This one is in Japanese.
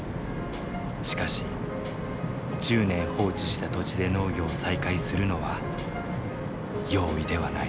しかし１０年放置した土地で農業を再開するのは容易ではない。